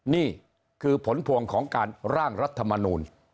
นี่คือผลพวงของการร่างรัฐมนูล